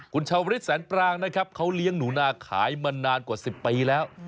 คุณชาวริสแสนปรางนะครับเขาเลี้ยงหนูนาขายมานานกว่า๑๐ปีแล้ว